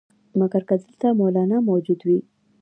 مګر که دلته مولنا موجود وي.